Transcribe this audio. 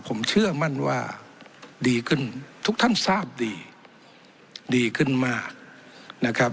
ผมเชื่อมั่นว่าดีขึ้นทุกท่านทราบดีดีขึ้นมากนะครับ